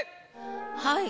はい。